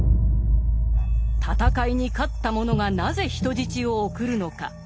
戦いに勝った者がなぜ人質を送るのか。